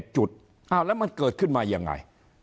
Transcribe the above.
๖๒๑จุดอ้าวแล้วมันเกิดขึ้นมายังไง